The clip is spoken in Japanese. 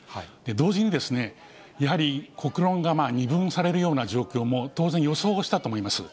同時に、やはり国論が二分されるような状況も当然予想をしたと思います。